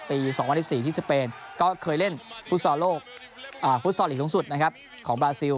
ปี๒๐๑๔ที่สเปนก็เคยเล่นฟุตซอลลิกลงสุดนะครับของบราซิล